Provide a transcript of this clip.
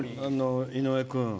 井上君。